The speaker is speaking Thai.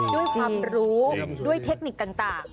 ด้วยความรู้ด้วยเทคนิคต่าง